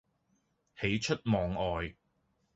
喜出望外